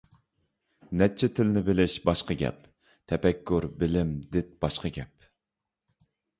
نەچچە تىلنى بىلىش باشقا گەپ، تەپەككۇر، بىلىم، دىت باشقا گەپ.